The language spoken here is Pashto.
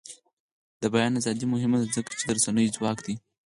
د بیان ازادي مهمه ده ځکه چې د رسنیو ځواک دی.